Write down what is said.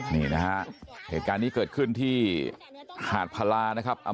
นี่นะฮะเหตุการณ์นี้เกิดขึ้นที่หาดพลานะครับ